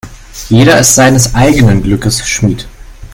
Jeder ist seines eigenen Glückes Schmied.